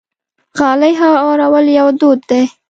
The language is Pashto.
غالۍ هوارول یو دود دی.